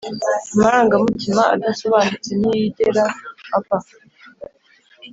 amarangamutima adasobanutse ntiyigera apfa.